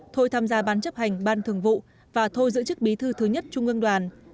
thôi tham gia bán chấp hành ban thường vụ và thôi giữ chức bí thư thứ nhất trung ương đoàn